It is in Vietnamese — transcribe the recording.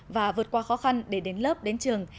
và vượt qua khó khăn để đến lớp đến trường